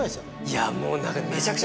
いやもう。